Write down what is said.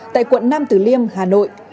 tại quận năm từ liêm hà nội